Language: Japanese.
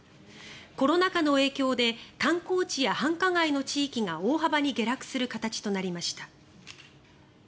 コロナ禍の影響で観光地や繁華街の地域が大幅に下落する形となりました。